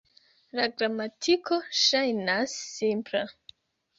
La gramatiko ŝajnas simpla.